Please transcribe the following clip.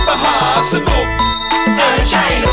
เออใช่รถมหาสนุกมันไม่ใช่รถตุ๊กตุ๊ก